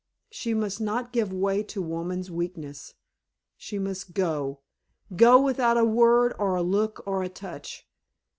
She must not give way to woman's weakness. She must go go without a word or a look or a touch.